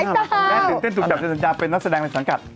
เรื่องนี้อ่ะเต้นจุดกันเสียสัญญาเป็นนักแสดงในสันกัด